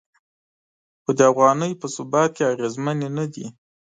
خو د افغانۍ په ثبات کې اغیزمنې نه دي.